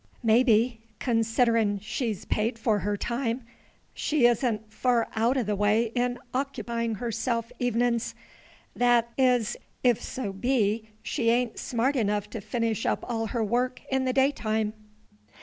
Maybe, considerin' she's paid for her time, she is n't fur out o' the way in occoopyin' herself evenin's, that is, if so be she a'n't smart enough to finish up all her work in the daytime.